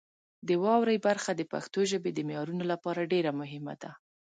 د واورئ برخه د پښتو ژبې د معیارونو لپاره ډېره مهمه ده.